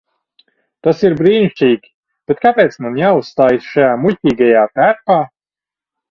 Tas ir brīnišķīgi, bet kāpēc man jāuzstājas šajā muļķīgajā tērpā?